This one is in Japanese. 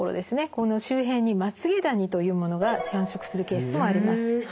この周辺にまつげダニというものが繁殖するケースもあります。